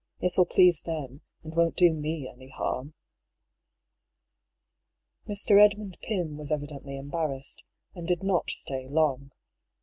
It'll please them, and won't do me any harm." Mr. Edmund Pym was evidently embarrassed, and did not stay long.